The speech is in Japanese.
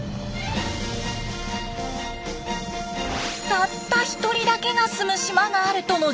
たった１人だけが住む島があるとの情報が。